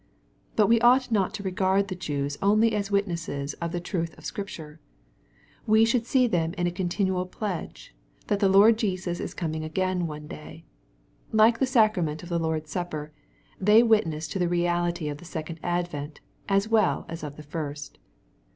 But we^oughtjiot to regard the Jews only as witnesses of Jji^^truth of Scrip true. We should see in them a continufid_j)ledge, that the Lord Jesus is coming again one. day. \Like the sacrament of the Lord's supper, they witness to the reality of the second advent, as well as of the first.